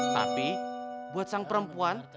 tapi buat sang perempuan